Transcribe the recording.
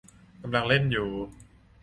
กำลังเล่นอยู่